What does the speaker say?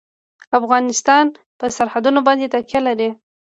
افغانستان په سرحدونه باندې تکیه لري.